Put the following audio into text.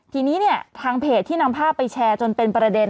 ทีนี้เนี่ยทางเพจที่นำภาพไปแชร์จนเป็นประเด็น